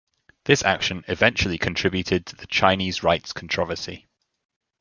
This action eventually contributed to the Chinese Rites controversy.